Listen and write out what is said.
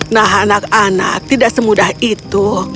nah anak anak tidak semudah itu